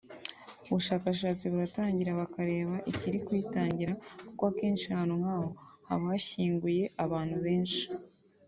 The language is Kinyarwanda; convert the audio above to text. ubushakashatsi buratangira bakareba ikiri kuyitangira kuko akenshi ahantu nk’aho haba hashyinguye abantu benshi